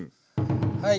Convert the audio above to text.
はい。